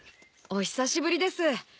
お久しぶりです。